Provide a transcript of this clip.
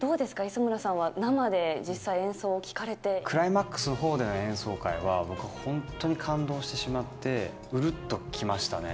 磯村さんは、クライマックスのほうでの演奏会は、僕は本当に感動してしまって、うるっときましたね。